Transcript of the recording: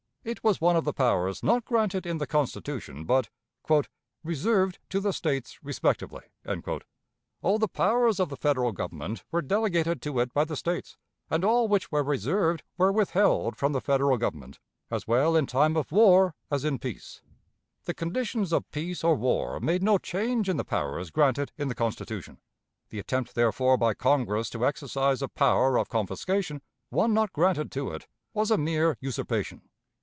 It was one of the powers not granted in the Constitution, but "reserved to the States respectively." All the powers of the Federal Government were delegated to it by the States, and all which were reserved were withheld from the Federal Government, as well in time of war as in peace. The conditions of peace or war made no change in the powers granted in the Constitution. The attempt, therefore, by Congress, to exercise a power of confiscation, one not granted to it, was a mere usurpation.